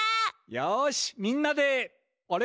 よしみんなであれ？